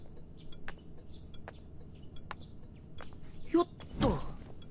よっと。